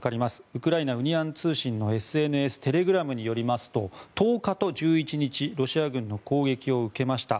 ウクライナウニアン通信のＳＮＳテレグラムによりますと１０日と１１日ロシア軍の攻撃を受けました。